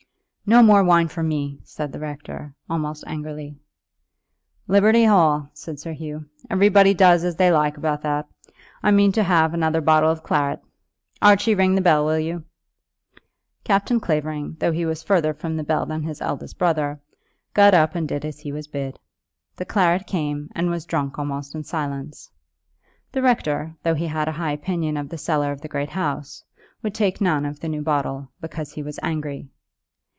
"No more wine for me," said the rector, almost angrily. "Liberty Hall," said Sir Hugh; "everybody does as they like about that. I mean to have another bottle of claret. Archie, ring the bell, will you?" Captain Clavering, though he was further from the bell than his elder brother, got up and did as he was bid. The claret came, and was drunk almost in silence. The rector, though he had a high opinion of the cellar of the great house, would take none of the new bottle, because he was angry.